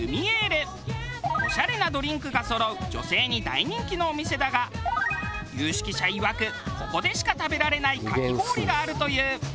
オシャレなドリンクがそろう女性に大人気のお店だが有識者いわくここでしか食べられないかき氷があるという。